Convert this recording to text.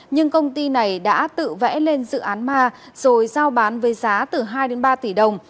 nhưng công ty này đã tự vẽ lên dự án ma rồi giao bán với giá từ hai ba tỷ đồng